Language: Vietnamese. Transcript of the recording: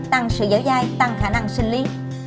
tăng sự dẻo dai tăng khả năng sinh lý